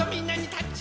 タッチ！